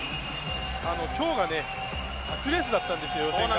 今日が初レースだったんですよ、予選が。